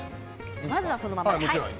まずは、そのまま。